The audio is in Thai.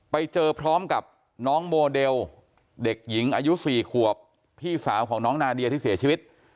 ไปเจอพร้อมกับน้องโมเดลเด็กหญิงอายุ๔ขวบพี่สาวของน้องนาเดียที่เสียชีวิต